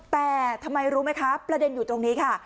แต่ทำไมรู้ไหมคะประเด็นอยู่ตรงนี้ค่ะ